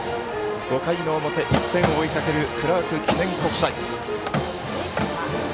５回の表、１点を追いかけるクラーク記念国際。